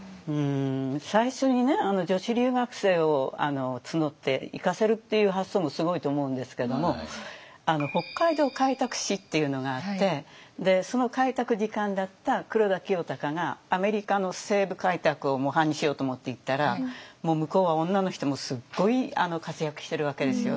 最初に女子留学生を募って行かせるっていう発想もすごいと思うんですけども北海道開拓使っていうのがあってその開拓次官だった黒田清隆がアメリカの西部開拓を模範にしようと思って行ったらもう向こうは女の人もすごい活躍してるわけですよ